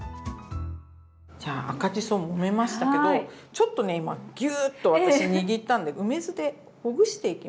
じゃあ赤じそもめましたけどちょっとね今ギューッと私握ったんで梅酢でほぐしていきます。